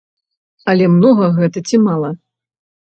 Але многа гэта ці мала?